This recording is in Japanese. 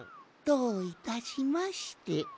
どういたしまして。